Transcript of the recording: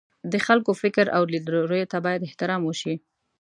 د خلکو فکر او لیدلوریو ته باید احترام وشي.